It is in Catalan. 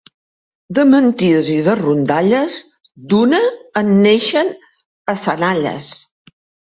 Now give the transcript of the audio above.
De mentides i de rondalles, d'una, en neixen a senalles.